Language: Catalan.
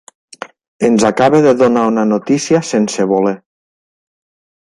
Ens acaba de donar una notícia sense voler.